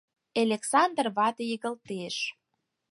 Элександр вате игылтеш: